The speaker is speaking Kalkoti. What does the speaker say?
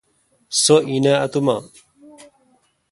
سو این اؘ اتوما۔